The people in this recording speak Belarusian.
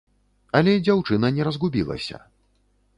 Але дзяўчына не разгубілася.